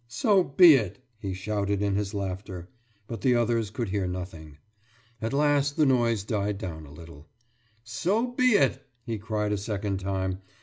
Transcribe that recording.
»So be it!« he shouted in his laughter. But the others could hear nothing. At last the noise died down a little. »So be it!« he cried, a second time.